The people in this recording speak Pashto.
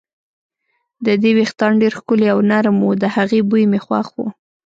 د دې وېښتان ډېر ښکلي او نرم وو، د هغې بوی مې خوښ و.